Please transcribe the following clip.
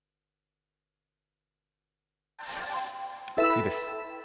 次です。